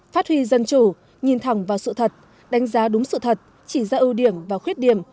phát huy dân chủ nhìn thẳng vào sự thật đánh giá đúng sự thật chỉ ra ưu điểm và khuyết điểm